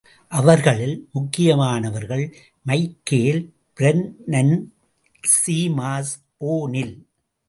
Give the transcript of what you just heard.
அவர்களில் முக்கியமானவர்கள் Michael Brennan, Seamus, O'Neill.